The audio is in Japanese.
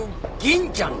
銀ちゃん？